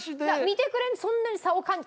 見てくれにそんなに差を感じてない。